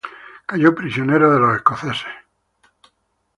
Cayó prisionero de los escoceses.